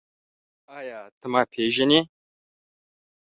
ایا ته ما پېژنې؟